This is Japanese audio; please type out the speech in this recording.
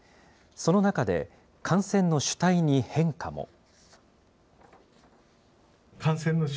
その中で、感染の主体に変化も。